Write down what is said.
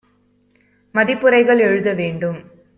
மதிப்புரைகள் எழுத வேண்டும்